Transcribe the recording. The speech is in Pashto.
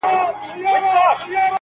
د روغېدو نه یم طبیبه یاره خوله دې جار شم